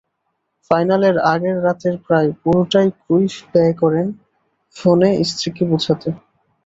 ফাইনালের আগের রাতের প্রায় পুরোটাই ক্রুইফ ব্যয় করেন ফোনে স্ত্রীকে বোঝাতে।